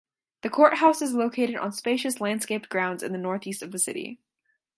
The courthouse is located on spacious landscaped grounds in the northeast of the city.